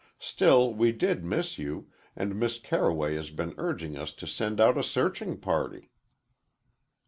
Still, we did miss you, and Miss Carroway has been urging us to send out a searching party."